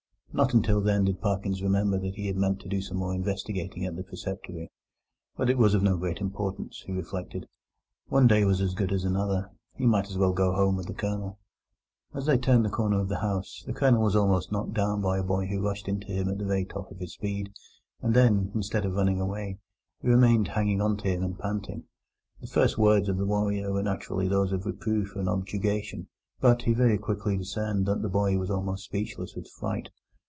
Not until then did Parkins remember that he had meant to do some more investigating at the preceptory; but it was of no great importance, he reflected. One day was as good as another; he might as well go home with the Colonel. As they turned the corner of the house, the Colonel was almost knocked down by a boy who rushed into him at the very top of his speed, and then, instead of running away, remained hanging on to him and panting. The first words of the warrior were naturally those of reproof and objurgation, but he very quickly discerned that the boy was almost speechless with fright.